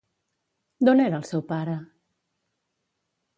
D'on era el seu pare?